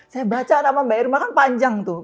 saya baca nama mbak irma kan panjang tuh